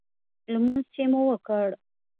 لمونځ چې مو وکړ.